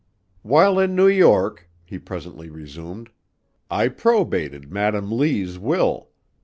"While in New York," he presently resumed, "I probated Madam Lee's will.